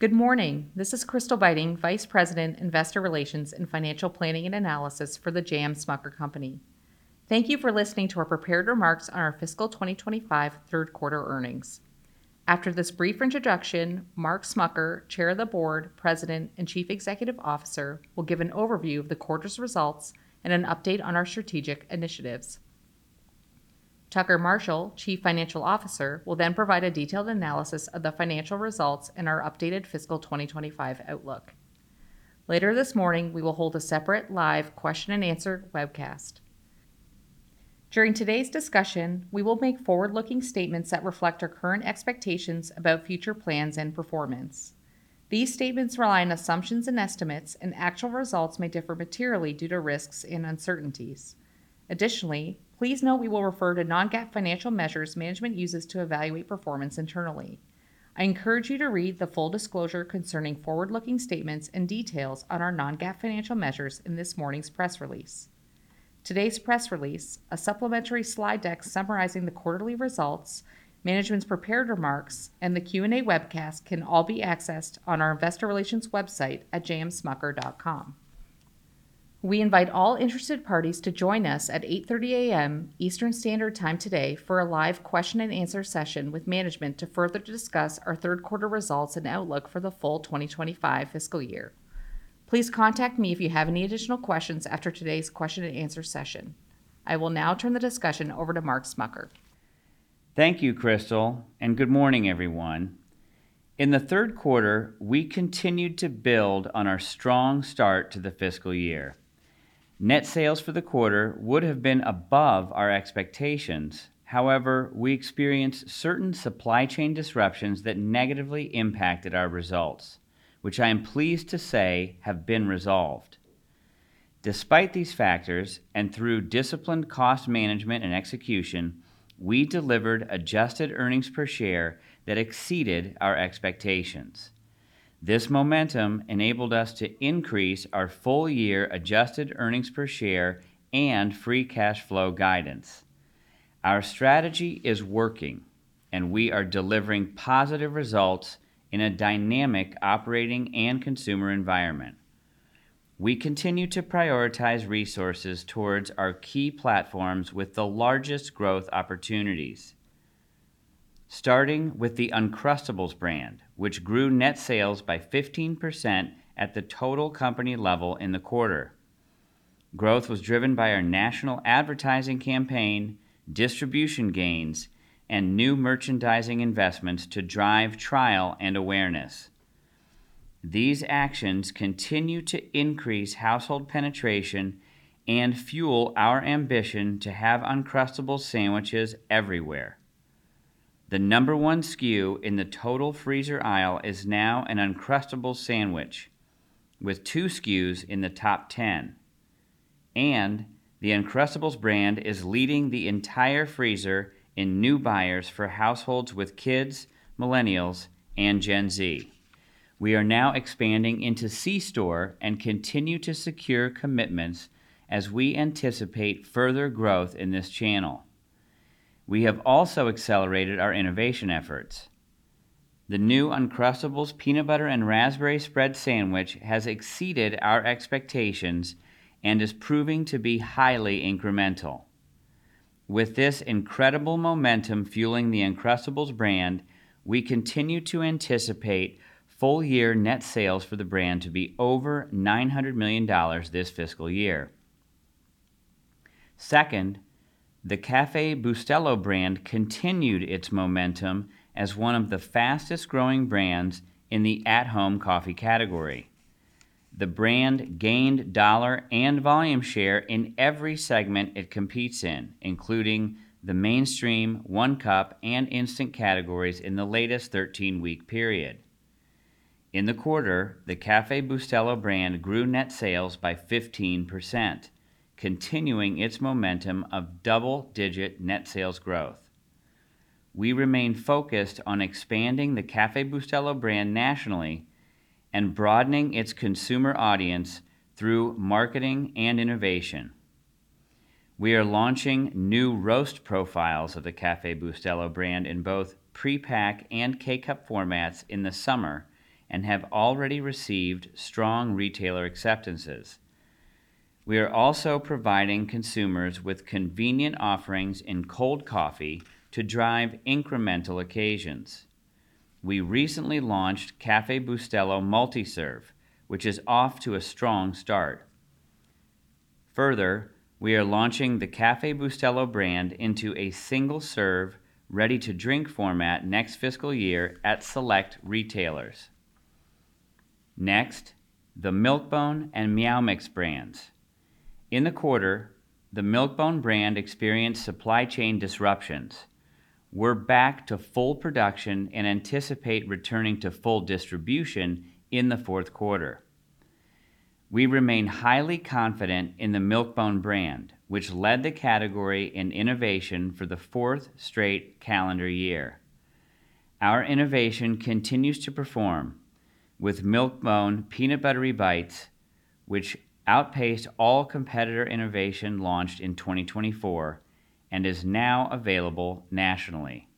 Good morning. This is Crystal Beiting, Vice President, Investor Relations and Financial Planning and Analysis for The J. M. Smucker Company. Thank you for listening to our prepared remarks on our fiscal 2025 third quarter earnings. After this brief introduction, Mark Smucker, Chair of the Board, President, and Chief Executive Officer, will give an overview of the quarter's results and an update on our strategic initiatives. Tucker Marshall, Chief Financial Officer, will then provide a detailed analysis of the financial results and our updated fiscal 2025 outlook. Later this morning, we will hold a separate live question-and-answer webcast. During today's discussion, we will make forward-looking statements that reflect our current expectations about future plans and performance. These statements rely on assumptions and estimates, and actual results may differ materially due to risks and uncertainties. Additionally, please note we will refer to non-GAAP financial measures management uses to evaluate performance internally. I encourage you to read the full disclosure concerning forward-looking statements and details on our Non-GAAP financial measures in this morning's press release. Today's press release, a supplementary slide deck summarizing the quarterly results, management's prepared remarks, and the Q&A webcast can all be accessed on our investor relations website at jmsmucker.com. We invite all interested parties to join us at 8:30 A.M. Eastern Standard Time today for a live question-and-answer session with management to further discuss our third quarter results and outlook for the full 2025 fiscal year. Please contact me if you have any additional questions after today's question-and-answer session. I will now turn the discussion over to Mark Smucker. Thank you, Crystal, and good morning, everyone. In the third quarter, we continued to build on our strong start to the fiscal year. Net sales for the quarter would have been above our expectations. However, we experienced certain supply chain disruptions that negatively impacted our results, which I am pleased to say have been resolved. Despite these factors and through disciplined cost management and execution, we delivered adjusted earnings per share that exceeded our expectations. This momentum enabled us to increase our full-year adjusted earnings per share and free cash flow guidance. Our strategy is working, and we are delivering positive results in a dynamic operating and consumer environment. We continue to prioritize resources towards our key platforms with the largest growth opportunities, starting with the Uncrustables brand, which grew net sales by 15% at the total company level in the quarter. Growth was driven by our national advertising campaign, distribution gains, and new merchandising investments to drive trial and awareness. These actions continue to increase household penetration and fuel our ambition to have Uncrustables sandwiches everywhere. The number one SKU in the total freezer aisle is now an Uncrustables sandwich, with two SKUs in the top 10, and the Uncrustables brand is leading the entire freezer in new buyers for households with kids, millennials, and Gen Z. We are now expanding into C-store and continue to secure commitments as we anticipate further growth in this channel. We have also accelerated our innovation efforts. The new Uncrustables peanut butter and raspberry spread sandwich has exceeded our expectations and is proving to be highly incremental. With this incredible momentum fueling the Uncrustables brand, we continue to anticipate full-year net sales for the brand to be over $900 million this fiscal year. Second, the Café Bustelo brand continued its momentum as one of the fastest-growing brands in the at-home coffee category. The brand gained dollar and volume share in every segment it competes in, including the mainstream, one-cup, and instant categories in the latest 13-week period. In the quarter, the Café Bustelo brand grew net sales by 15%, continuing its momentum of double-digit net sales growth. We remain focused on expanding the Café Bustelo brand nationally and broadening its consumer audience through marketing and innovation. We are launching new roast profiles of the Café Bustelo brand in both prepack and K-Cup formats in the summer and have already received strong retailer acceptances. We are also providing consumers with convenient offerings in cold coffee to drive incremental occasions. We recently launched Café Bustelo multi-serve, which is off to a strong start. Further, we are launching the Café Bustelo brand into a single-serve, ready-to-drink format next fiscal year at select retailers. Next, the Milk-Bone and Meow Mix brands. In the quarter, the Milk-Bone brand experienced supply chain disruptions. We're back to full production and anticipate returning to full distribution in the fourth quarter. We remain highly confident in the Milk-Bone brand, which led the category in innovation for the fourth straight calendar year. Our innovation continues to perform, with Milk-Bone Peanut Buttery Bites, which outpaced all competitor innovation launched in 2024 and is now available nationally.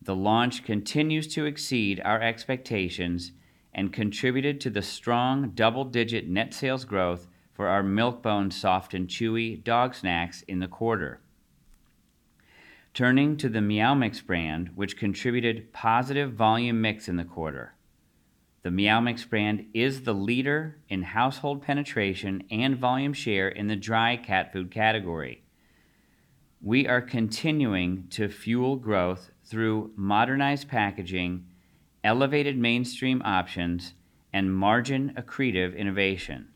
The launch continues to exceed our expectations and contributed to the strong double-digit net sales growth for our Milk-Bone Soft and Chewy dog snacks in the quarter. Turning to the Meow Mix brand, which contributed positive volume mix in the quarter. The Meow Mix brand is the leader in household penetration and volume share in the dry cat food category. We are continuing to fuel growth through modernized packaging, elevated mainstream options, and margin-accretive innovation.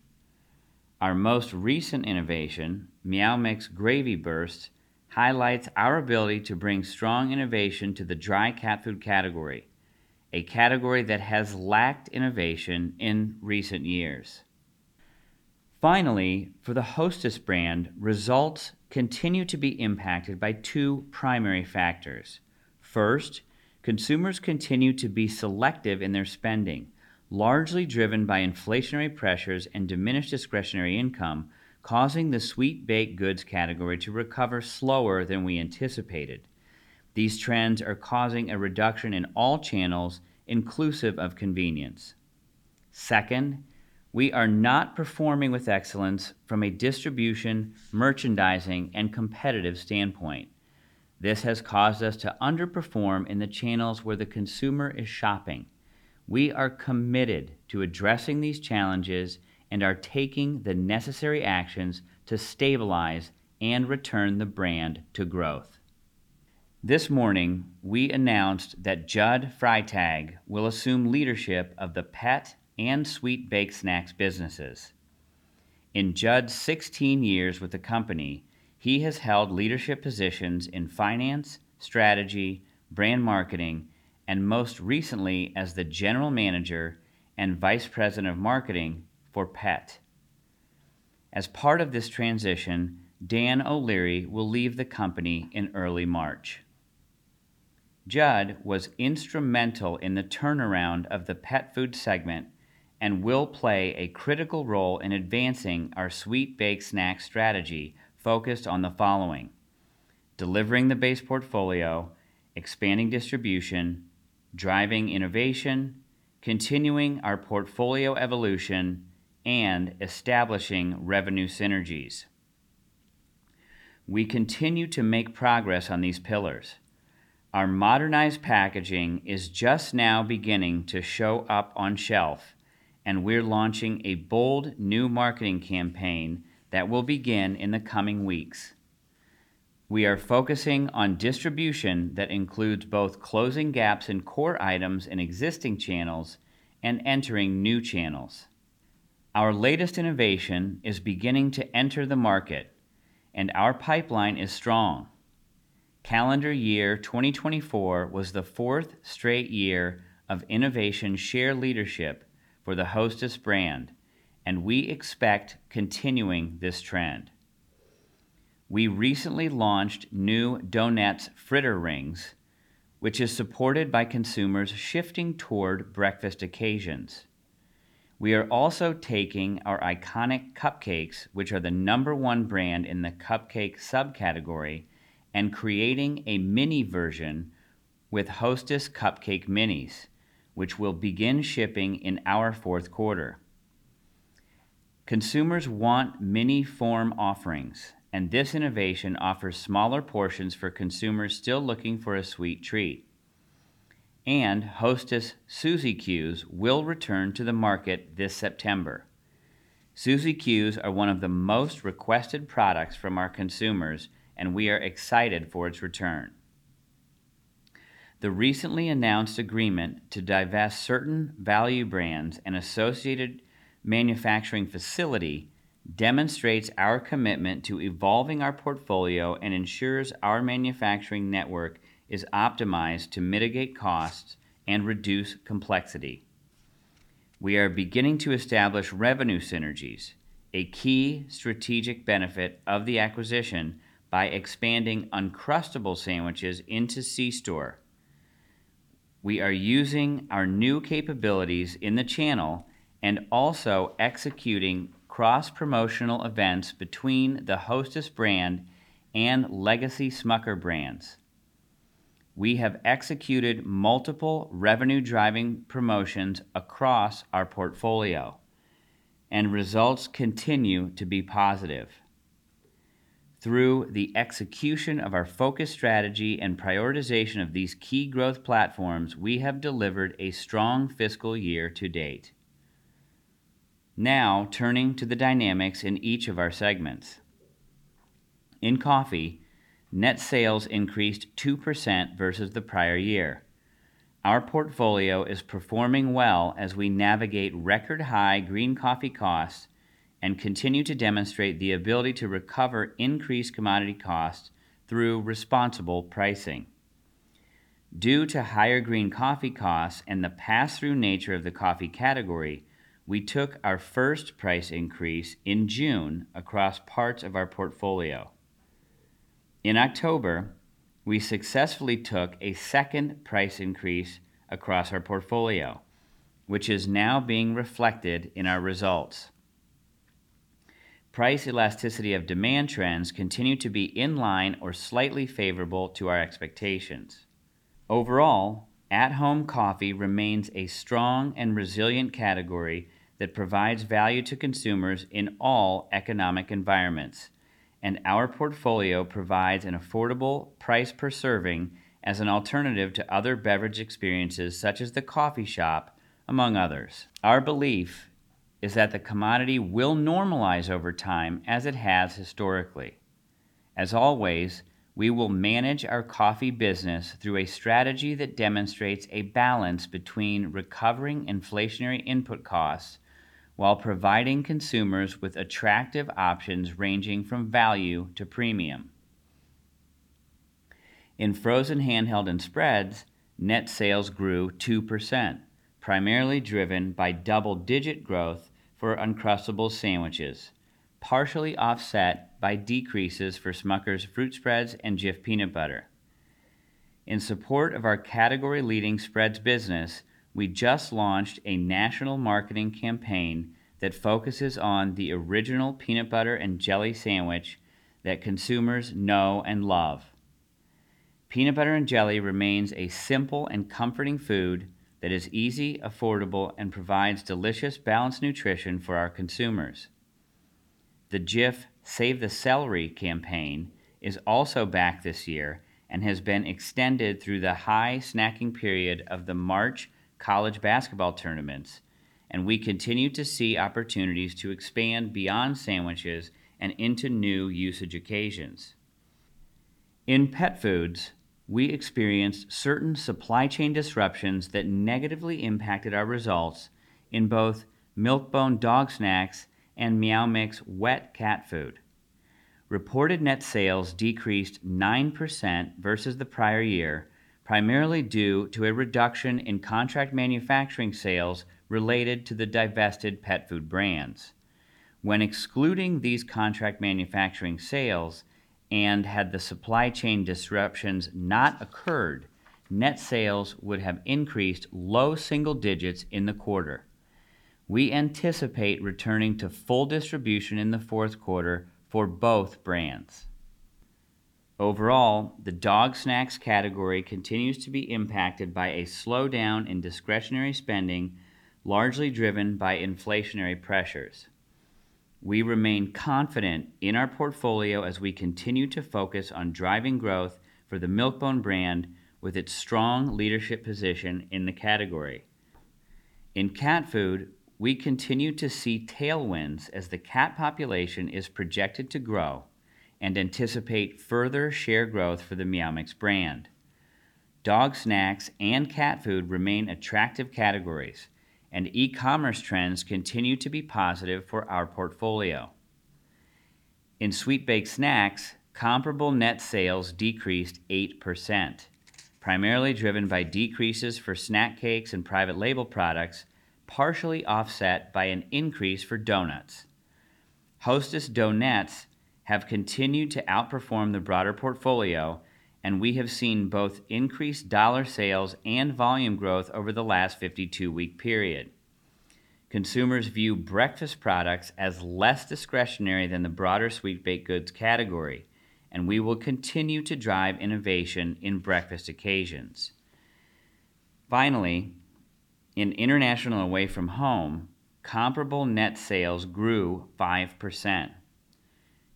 Our most recent innovation, Meow Mix Gravy Burst, highlights our ability to bring strong innovation to the dry cat food category, a category that has lacked innovation in recent years. Finally, for the Hostess brand, results continue to be impacted by two primary factors. First, consumers continue to be selective in their spending, largely driven by inflationary pressures and diminished discretionary income, causing the sweet-baked goods category to recover slower than we anticipated. These trends are causing a reduction in all channels, inclusive of convenience. Second, we are not performing with excellence from a distribution, merchandising, and competitive standpoint. This has caused us to underperform in the channels where the consumer is shopping. We are committed to addressing these challenges and are taking the necessary actions to stabilize and return the brand to growth. This morning, we announced that Judd Freitag will assume leadership of the pet and sweet-baked snacks businesses. In Judd's 16 years with the company, he has held leadership positions in finance, strategy, brand marketing, and most recently as the general manager and vice president of marketing for Pet. As part of this transition, Dan O'Leary will leave the company in early March. Judd was instrumental in the turnaround of the pet food segment and will play a critical role in advancing our sweet-baked snacks strategy focused on the following: delivering the base portfolio, expanding distribution, driving innovation, continuing our portfolio evolution, and establishing revenue synergies. We continue to make progress on these pillars. Our modernized packaging is just now beginning to show up on shelf, and we're launching a bold new marketing campaign that will begin in the coming weeks. We are focusing on distribution that includes both closing gaps in core items in existing channels and entering new channels. Our latest innovation is beginning to enter the market, and our pipeline is strong. Calendar year 2024 was the fourth straight year of innovation share leadership for the Hostess brand, and we expect continuing this trend. We recently launched new Donettes Fritter Rings, which is supported by consumers shifting toward breakfast occasions. We are also taking our iconic cupcakes, which are the number one brand in the cupcake subcategory, and creating a mini version with Hostess CupCakes Minis, which will begin shipping in our fourth quarter. Consumers want mini form offerings, and this innovation offers smaller portions for consumers still looking for a sweet treat, and Hostess Suzy Q's will return to the market this September. Suzy Q's are one of the most requested products from our consumers, and we are excited for its return. The recently announced agreement to divest certain value brands and associated manufacturing facility demonstrates our commitment to evolving our portfolio and ensures our manufacturing network is optimized to mitigate costs and reduce complexity. We are beginning to establish revenue synergies, a key strategic benefit of the acquisition by expanding Uncrustables sandwiches into C-store. We are using our new capabilities in the channel and also executing cross-promotional events between the Hostess brand and legacy Smucker's brands. We have executed multiple revenue-driving promotions across our portfolio, and results continue to be positive. Through the execution of our focus strategy and prioritization of these key growth platforms, we have delivered a strong fiscal year to date. Now, turning to the dynamics in each of our segments. In coffee, net sales increased 2% versus the prior year. Our portfolio is performing well as we navigate record-high green coffee costs and continue to demonstrate the ability to recover increased commodity costs through responsible pricing. Due to higher green coffee costs and the pass-through nature of the coffee category, we took our first price increase in June across parts of our portfolio. In October, we successfully took a second price increase across our portfolio, which is now being reflected in our results. Price elasticity of demand trends continue to be in line or slightly favorable to our expectations. Overall, at-home coffee remains a strong and resilient category that provides value to consumers in all economic environments, and our portfolio provides an affordable price per serving as an alternative to other beverage experiences such as the coffee shop, among others. Our belief is that the commodity will normalize over time as it has historically. As always, we will manage our coffee business through a strategy that demonstrates a balance between recovering inflationary input costs while providing consumers with attractive options ranging from value to premium. In frozen handheld and spreads, net sales grew 2%, primarily driven by double-digit growth for Uncrustables sandwiches, partially offset by decreases for Smucker's Fruit Spreads and Jif Peanut Butter. In support of our category-leading spreads business, we just launched a national marketing campaign that focuses on the original peanut butter and jelly sandwich that consumers know and love. Peanut butter and jelly remains a simple and comforting food that is easy, affordable, and provides delicious, balanced nutrition for our consumers. The Jif Save the Celery campaign is also back this year and has been extended through the high snacking period of the March college basketball tournaments, and we continue to see opportunities to expand beyond sandwiches and into new usage occasions. In pet foods, we experienced certain supply chain disruptions that negatively impacted our results in both Milk-Bone dog snacks and Meow Mix wet cat food. Reported net sales decreased 9% versus the prior year, primarily due to a reduction in contract manufacturing sales related to the divested pet food brands. When excluding these contract manufacturing sales and had the supply chain disruptions not occurred, net sales would have increased low single digits in the quarter. We anticipate returning to full distribution in the fourth quarter for both brands. Overall, the dog snacks category continues to be impacted by a slowdown in discretionary spending, largely driven by inflationary pressures. We remain confident in our portfolio as we continue to focus on driving growth for the Milk-Bone brand with its strong leadership position in the category. In cat food, we continue to see tailwinds as the cat population is projected to grow and anticipate further share growth for the Meow Mix brand. Dog snacks and cat food remain attractive categories, and e-commerce trends continue to be positive for our portfolio. In sweet-baked snacks, comparable net sales decreased 8%, primarily driven by decreases for snack cakes and private label products, partially offset by an increase for donuts. Hostess Donuts have continued to outperform the broader portfolio, and we have seen both increased dollar sales and volume growth over the last 52-week period. Consumers view breakfast products as less discretionary than the broader sweet-baked goods category, and we will continue to drive innovation in breakfast occasions. Finally, in international away from home, comparable net sales grew 5%.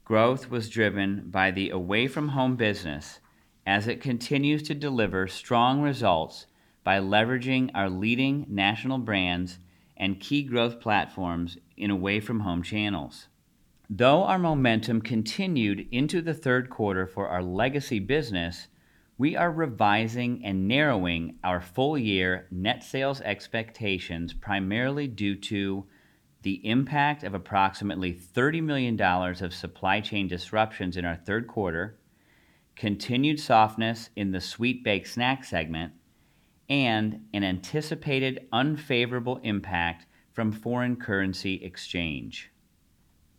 Growth was driven by the away from home business as it continues to deliver strong results by leveraging our leading national brands and key growth platforms in away from home channels. Though our momentum continued into the third quarter for our legacy business, we are revising and narrowing our full-year net sales expectations primarily due to the impact of approximately $30 million of supply chain disruptions in our third quarter, continued softness in the sweet-baked snack segment, and an anticipated unfavorable impact from foreign currency exchange.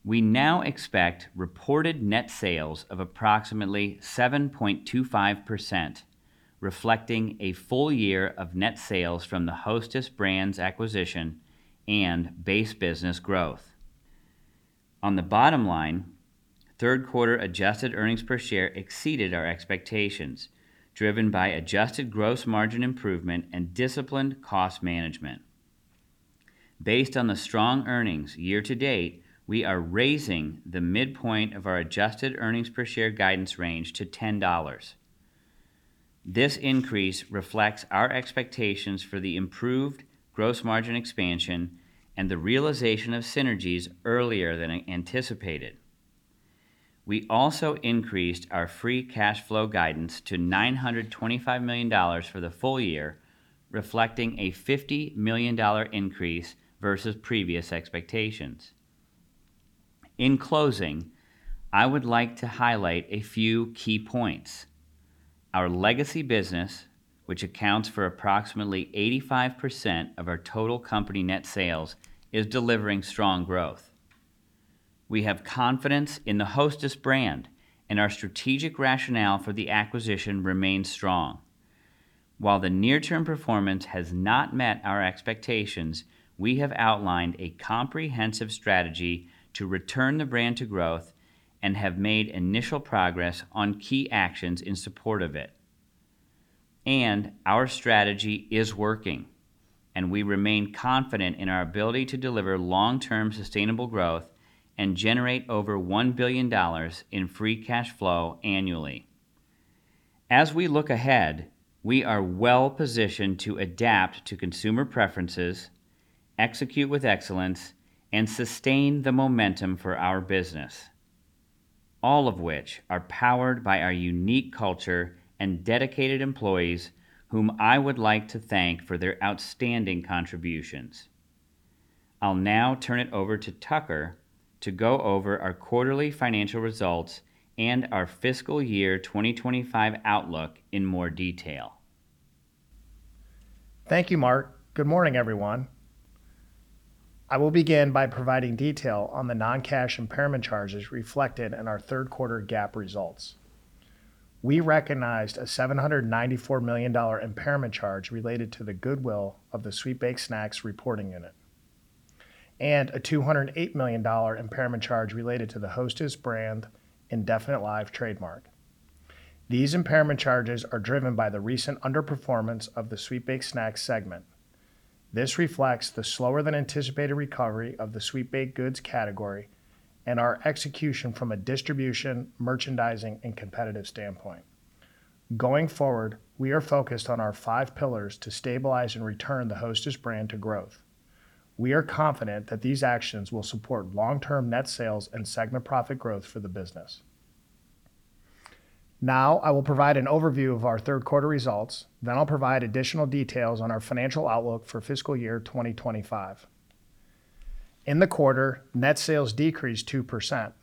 We now expect reported net sales of approximately 7.25%, reflecting a full year of net sales from the Hostess Brands acquisition and base business growth. On the bottom line, third quarter adjusted earnings per share exceeded our expectations, driven by adjusted gross margin improvement and disciplined cost management. Based on the strong earnings year to date, we are raising the midpoint of our adjusted earnings per share guidance range to $10. This increase reflects our expectations for the improved gross margin expansion and the realization of synergies earlier than anticipated. We also increased our free cash flow guidance to $925 million for the full year, reflecting a $50 million increase versus previous expectations. In closing, I would like to highlight a few key points. Our legacy business, which accounts for approximately 85% of our total company net sales, is delivering strong growth. We have confidence in the Hostess brand, and our strategic rationale for the acquisition remains strong. While the near-term performance has not met our expectations, we have outlined a comprehensive strategy to return the brand to growth and have made initial progress on key actions in support of it, and our strategy is working, and we remain confident in our ability to deliver long-term sustainable growth and generate over $1 billion in free cash flow annually. As we look ahead, we are well-positioned to adapt to consumer preferences, execute with excellence, and sustain the momentum for our business, all of which are powered by our unique culture and dedicated employees whom I would like to thank for their outstanding contributions. I'll now turn it over to Tucker to go over our quarterly financial results and our fiscal year 2025 outlook in more detail. Thank you, Mark. Good morning, everyone. I will begin by providing detail on the non-cash impairment charges reflected in our third quarter GAAP results. We recognized a $794 million impairment charge related to the goodwill of the sweet-baked snacks reporting unit and a $208 million impairment charge related to the Hostess brand indefinite-lived trademark. These impairment charges are driven by the recent underperformance of the sweet-baked snacks segment. This reflects the slower-than-anticipated recovery of the sweet-baked goods category and our execution from a distribution, merchandising, and competitive standpoint. Going forward, we are focused on our five pillars to stabilize and return the Hostess brand to growth. We are confident that these actions will support long-term net sales and segment profit growth for the business. Now, I will provide an overview of our third quarter results. Then I'll provide additional details on our financial outlook for fiscal year 2025. In the quarter, net sales decreased 2%.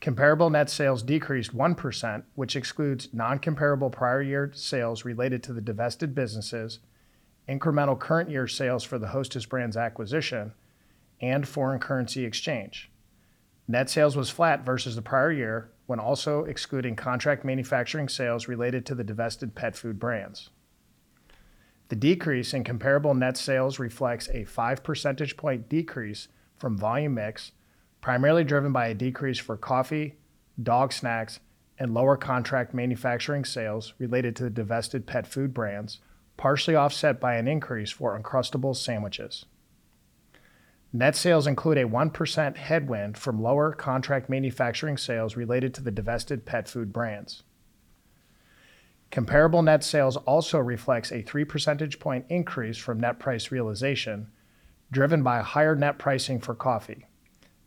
Comparable net sales decreased 1%, which excludes non-comparable prior year sales related to the divested businesses, incremental current year sales for the Hostess Brands acquisition, and foreign currency exchange. Net sales was flat versus the prior year when also excluding contract manufacturing sales related to the divested pet food brands. The decrease in comparable net sales reflects a 5 percentage point decrease from volume mix, primarily driven by a decrease for coffee, dog snacks, and lower contract manufacturing sales related to the divested pet food brands, partially offset by an increase for Uncrustables sandwiches. Net sales include a 1% headwind from lower contract manufacturing sales related to the divested pet food brands. Comparable net sales also reflects a 3 percentage point increase from net price realization, driven by higher net pricing for coffee.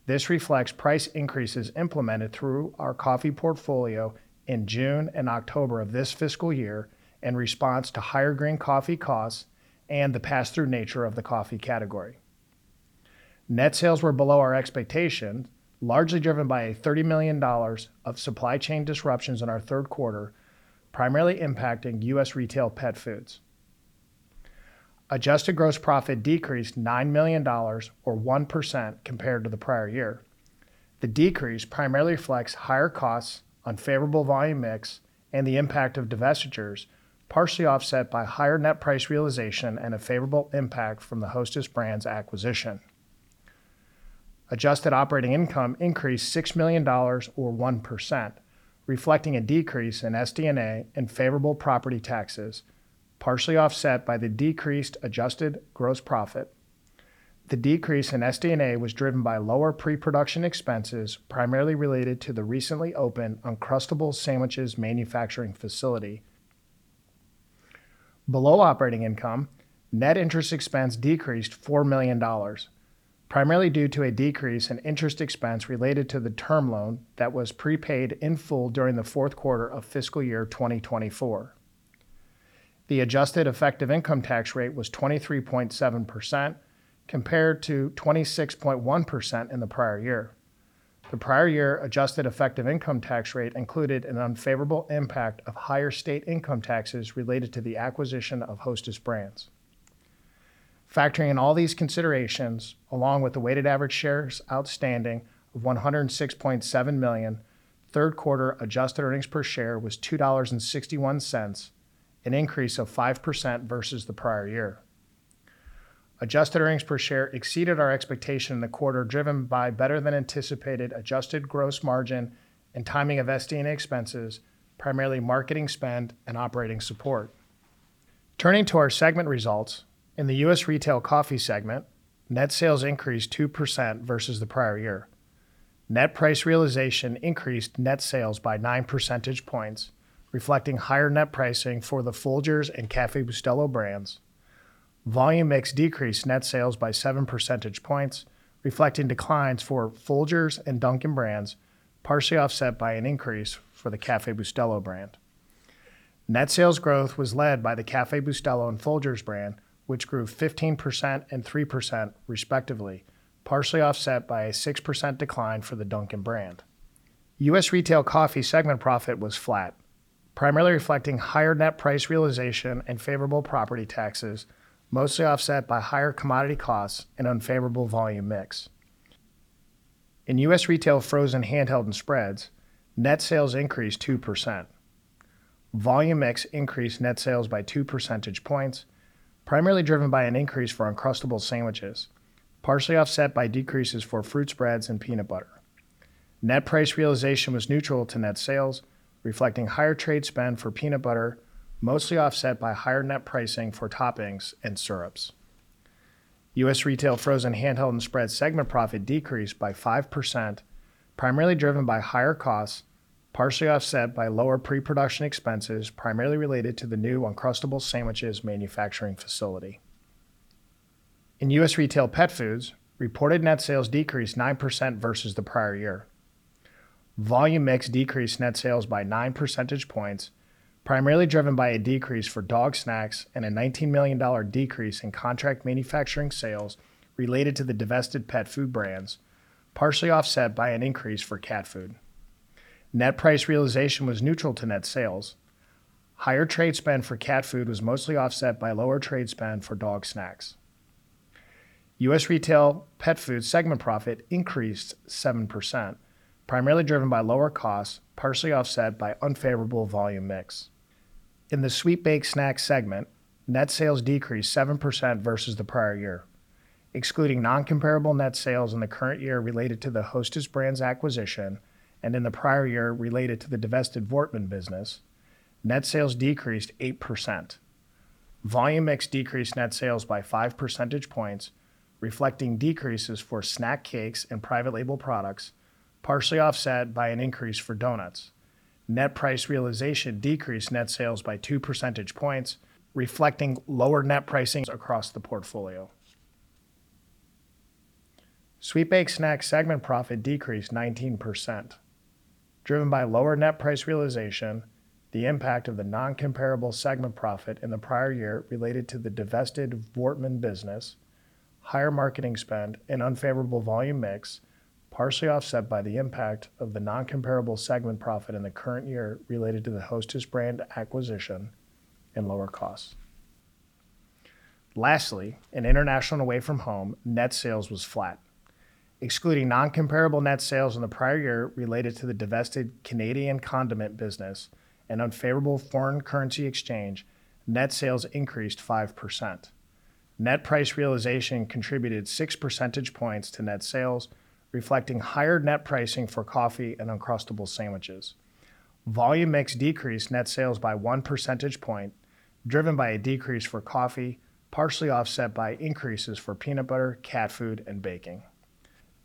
This reflects price increases implemented through our coffee portfolio in June and October of this fiscal year in response to higher green coffee costs and the pass-through nature of the coffee category. Net sales were below our expectations, largely driven by a $30 million of supply chain disruptions in our third quarter, primarily impacting U.S. retail pet foods. Adjusted gross profit decreased $9 million, or 1%, compared to the prior year. The decrease primarily reflects higher costs, unfavorable volume mix, and the impact of divestitures, partially offset by higher net price realization and a favorable impact from the Hostess brand's acquisition. Adjusted operating income increased $6 million, or 1%, reflecting a decrease in SD&A and favorable property taxes, partially offset by the decreased adjusted gross profit. The decrease in SD&A was driven by lower pre-production expenses, primarily related to the recently opened Uncrustables sandwiches manufacturing facility. Below operating income, net interest expense decreased $4 million, primarily due to a decrease in interest expense related to the term loan that was prepaid in full during the fourth quarter of fiscal year 2024. The adjusted effective income tax rate was 23.7%, compared to 26.1% in the prior year. The prior year adjusted effective income tax rate included an unfavorable impact of higher state income taxes related to the acquisition of Hostess Brands. Factoring in all these considerations, along with the weighted average shares outstanding of $106.7 million, third quarter adjusted earnings per share was $2.61, an increase of 5% versus the prior year. Adjusted earnings per share exceeded our expectation in the quarter, driven by better-than-anticipated adjusted gross margin and timing of SD&A expenses, primarily marketing spend and operating support. Turning to our segment results, in the U.S. retail coffee segment, net sales increased 2% versus the prior year. Net price realization increased net sales by 9 percentage points, reflecting higher net pricing for the Folgers and Café Bustelo brands. Volume mix decreased net sales by 7 percentage points, reflecting declines for Folgers and Dunkin' brands, partially offset by an increase for the Café Bustelo brand. Net sales growth was led by the Café Bustelo and Folgers brand, which grew 15% and 3%, respectively, partially offset by a 6% decline for the Dunkin' brand. U.S. retail coffee segment profit was flat, primarily reflecting higher net price realization and favorable property taxes, mostly offset by higher commodity costs and unfavorable volume mix. In U.S. retail frozen handheld and spreads, net sales increased 2%. Volume mix increased net sales by two percentage points, primarily driven by an increase for Uncrustables sandwiches, partially offset by decreases for fruit spreads and peanut butter. Net price realization was neutral to net sales, reflecting higher trade spend for peanut butter, mostly offset by higher net pricing for toppings and syrups. U.S. retail frozen handheld and spread segment profit decreased by 5%, primarily driven by higher costs, partially offset by lower pre-production expenses, primarily related to the new Uncrustables sandwiches manufacturing facility. In U.S. retail pet foods, reported net sales decreased 9% versus the prior year. Volume mix decreased net sales by nine percentage points, primarily driven by a decrease for dog snacks and a $19 million decrease in contract manufacturing sales related to the divested pet food brands, partially offset by an increase for cat food. Net price realization was neutral to net sales. Higher trade spend for cat food was mostly offset by lower trade spend for dog snacks. U.S. retail pet food segment profit increased 7%, primarily driven by lower costs, partially offset by unfavorable volume mix. In the sweet-baked snacks segment, net sales decreased 7% versus the prior year. Excluding non-comparable net sales in the current year related to the Hostess brand's acquisition and in the prior year related to the divested Voortman business, net sales decreased 8%. Volume mix decreased net sales by 5 percentage points, reflecting decreases for snack cakes and private label products, partially offset by an increase for donuts. Net price realization decreased net sales by 2 percentage points, reflecting lower net pricing across the portfolio. Sweet-baked snacks segment profit decreased 19%, driven by lower net price realization, the impact of the non-comparable segment profit in the prior year related to the divested Voortman business, higher marketing spend, and unfavorable volume mix, partially offset by the impact of the non-comparable segment profit in the current year related to the Hostess brand acquisition and lower costs. Lastly, in international and away from home, net sales was flat. Excluding non-comparable net sales in the prior year related to the divested Canadian condiment business and unfavorable foreign currency exchange, net sales increased 5%. Net price realization contributed 6 percentage points to net sales, reflecting higher net pricing for coffee and Uncrustables sandwiches. Volume mix decreased net sales by 1 percentage point, driven by a decrease for coffee, partially offset by increases for peanut butter, cat food, and baking.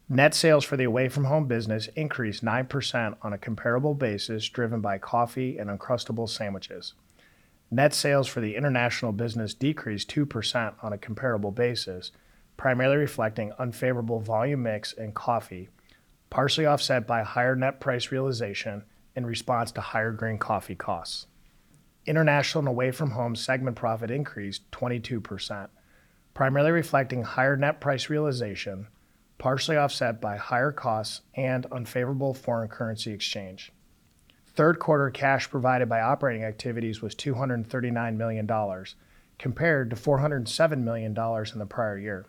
Net sales for the away from home business increased 9% on a comparable basis, driven by coffee and Uncrustables sandwiches. Net sales for the international business decreased 2% on a comparable basis, primarily reflecting unfavorable volume mix and coffee, partially offset by higher net price realization in response to higher green coffee costs. International and away from home segment profit increased 22%, primarily reflecting higher net price realization, partially offset by higher costs and unfavorable foreign currency exchange. Third quarter cash provided by operating activities was $239 million, compared to $407 million in the prior year.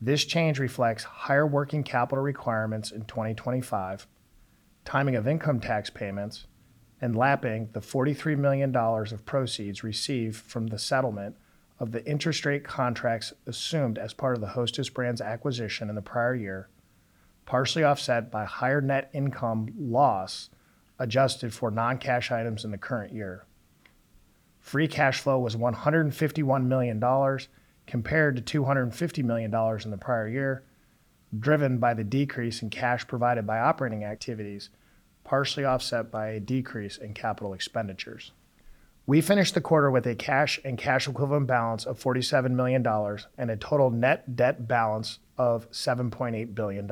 This change reflects higher working capital requirements in 2025, timing of income tax payments, and lapping the $43 million of proceeds received from the settlement of the interest rate contracts assumed as part of the Hostess brand's acquisition in the prior year, partially offset by higher net income loss adjusted for non-cash items in the current year. Free cash flow was $151 million, compared to $250 million in the prior year, driven by the decrease in cash provided by operating activities, partially offset by a decrease in capital expenditures. We finished the quarter with a cash and cash equivalent balance of $47 million and a total net debt balance of $7.8 billion.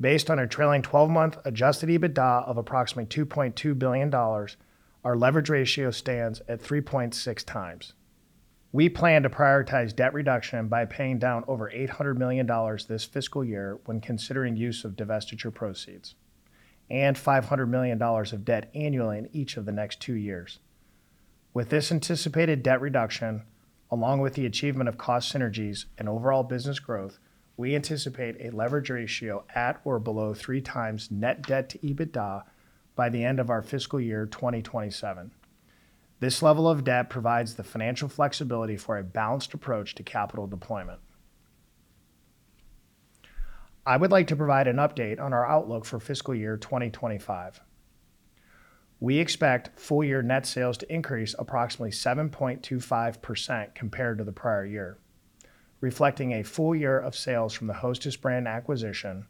Based on our trailing 12-month adjusted EBITDA of approximately $2.2 billion, our leverage ratio stands at 3.6 times. We plan to prioritize debt reduction by paying down over $800 million this fiscal year when considering use of divestiture proceeds and $500 million of debt annually in each of the next two years. With this anticipated debt reduction, along with the achievement of cost synergies and overall business growth, we anticipate a leverage ratio at or below three times net debt to EBITDA by the end of our fiscal year 2027. This level of debt provides the financial flexibility for a balanced approach to capital deployment. I would like to provide an update on our outlook for fiscal year 2025. We expect full-year net sales to increase approximately 7.25% compared to the prior year, reflecting a full year of sales from the Hostess brand acquisition,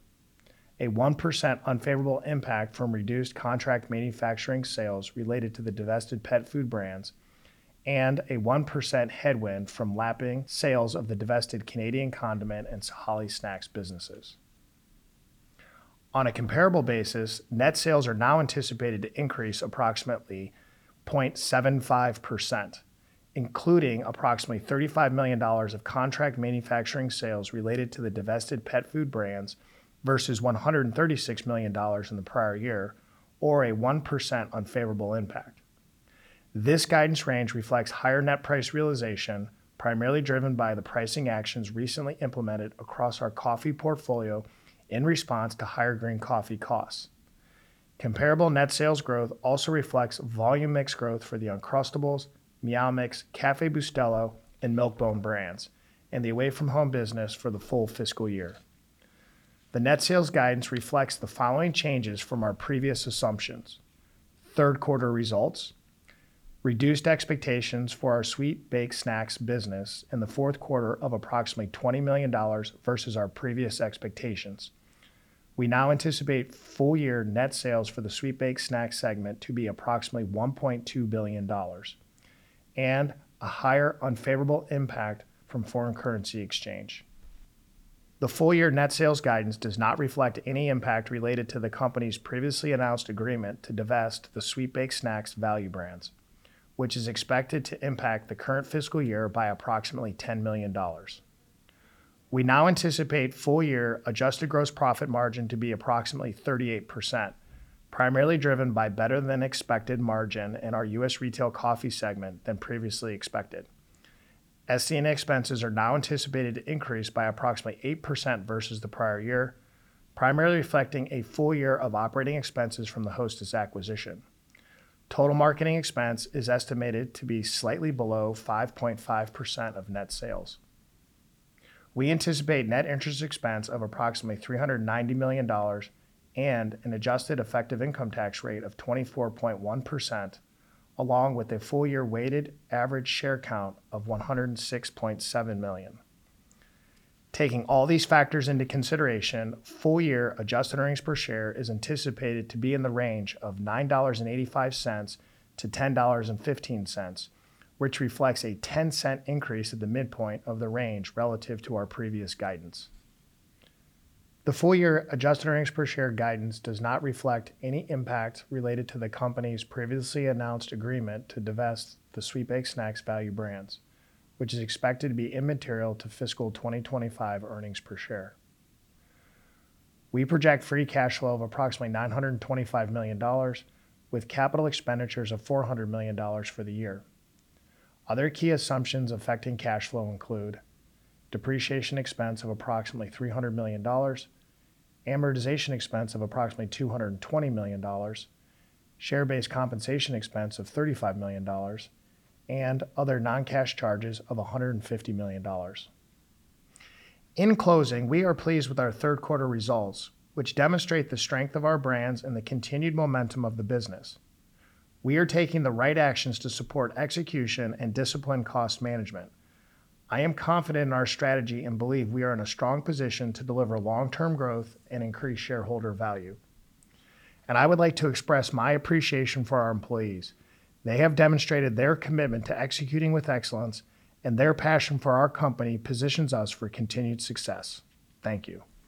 a 1% unfavorable impact from reduced contract manufacturing sales related to the divested pet food brands, and a 1% headwind from lapping sales of the divested Canadian condiment and Sahale Snacks businesses. On a comparable basis, net sales are now anticipated to increase approximately 0.75%, including approximately $35 million of contract manufacturing sales related to the divested pet food brands versus $136 million in the prior year, or a 1% unfavorable impact. This guidance range reflects higher net price realization, primarily driven by the pricing actions recently implemented across our coffee portfolio in response to higher green coffee costs. Comparable net sales growth also reflects volume mix growth for the Uncrustables, Meow Mix, Café Bustelo, and Milk-Bone brands, and the away from home business for the full fiscal year. The net sales guidance reflects the following changes from our previous assumptions: third quarter results, reduced expectations for our sweet-baked snacks business in the fourth quarter of approximately $20 million versus our previous expectations. We now anticipate full-year net sales for the sweet-baked snacks segment to be approximately $1.2 billion and a higher unfavorable impact from foreign currency exchange. The full-year net sales guidance does not reflect any impact related to the company's previously announced agreement to divest the sweet-baked snacks value brands, which is expected to impact the current fiscal year by approximately $10 million. We now anticipate full-year adjusted gross profit margin to be approximately 38%, primarily driven by better-than-expected margin in our U.S. retail coffee segment than previously expected. SD&A expenses are now anticipated to increase by approximately 8% versus the prior year, primarily reflecting a full year of operating expenses from the Hostess acquisition. Total marketing expense is estimated to be slightly below 5.5% of net sales. We anticipate net interest expense of approximately $390 million and an adjusted effective income tax rate of 24.1%, along with a full-year weighted average share count of 106.7 million. Taking all these factors into consideration, full-year adjusted earnings per share is anticipated to be in the range of $9.85-$10.15, which reflects a $0.10 increase at the midpoint of the range relative to our previous guidance. The full-year adjusted earnings per share guidance does not reflect any impact related to the company's previously announced agreement to divest the sweet-baked snacks value brands, which is expected to be immaterial to fiscal 2025 earnings per share. We project free cash flow of approximately $925 million, with capital expenditures of $400 million for the year. Other key assumptions affecting cash flow include depreciation expense of approximately $300 million, amortization expense of approximately $220 million, share-based compensation expense of $35 million, and other non-cash charges of $150 million. In closing, we are pleased with our third quarter results, which demonstrate the strength of our brands and the continued momentum of the business. We are taking the right actions to support execution and disciplined cost management. I am confident in our strategy and believe we are in a strong position to deliver long-term growth and increase shareholder value. And I would like to express my appreciation for our employees. They have demonstrated their commitment to executing with excellence, and their passion for our company positions us for continued success. Thank you.